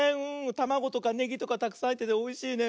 たまごとかネギとかたくさんはいってておいしいね。